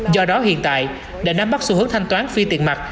do đó hiện tại để nắm bắt xu hướng thanh toán phi tiền mặt